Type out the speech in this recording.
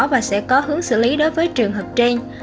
và sẽ có hướng xử lý đối với trường hợp trên